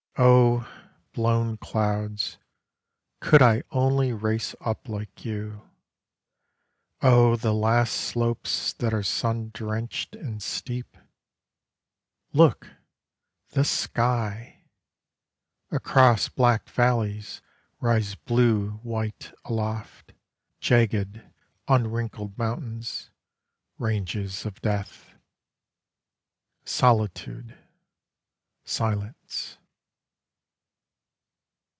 Oh, blown clouds, could I only race up like you, Oh, the last slopes that are sun drenched and steep! Look, the sky! Across black valleys Rise blue white aloft Jagged unwrinkled mountains, ranges of death. Solitude. Silence.